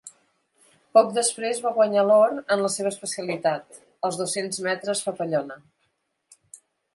Poc després va guanyar l’or en la seva especialitat, els dos-cents metres papallona.